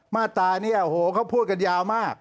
มาตรานี้โอ้โหเขาพูดกันยาวมาก